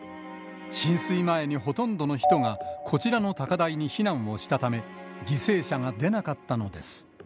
浸水前にほとんどの人が、こちらの高台に避難をしたため、犠牲者が出なかったのです。